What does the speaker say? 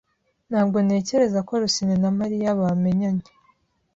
Ntabwo ntekereza ko Rusine na Mariya bamenyanye.